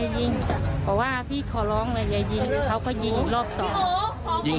บอกว่าพี่ขอร้องนะอย่ายิง